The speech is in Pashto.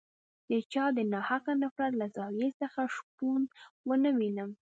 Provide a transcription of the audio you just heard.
د چا د ناحقه نفرت له زاویې څخه شپون ونه وینم.